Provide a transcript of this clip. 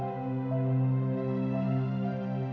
kakang mencintai dia kakang